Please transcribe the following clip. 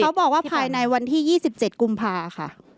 เขาบอกว่าภายในวันที่๒๗กุมภาค่ะ